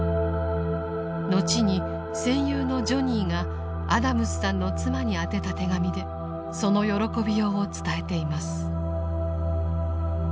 後に戦友のジョニーがアダムスさんの妻に宛てた手紙でその喜びようを伝えています。